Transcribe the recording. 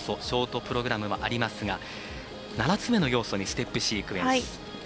ショートプログラムはありますが７つ目の要素にステップシークエンス。